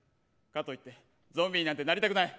かといって、ゾンビになんてなりたくない。